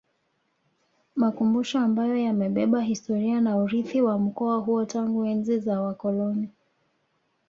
Makumbusho ambayo yamebeba historia na urithi wa mkoa huo tangu enzi za wakoloni